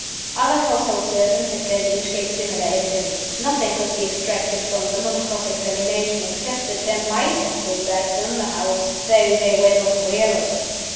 Other household servants at Gleninch gave similar evidence. Nothing could be extracted from them on cross examination except that there might have been rats in the house, though they were not aware of it.